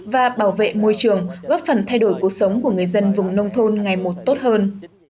và bảo vệ môi trường góp phần thay đổi cuộc sống của người dân vùng nông thôn ngày một tốt hơn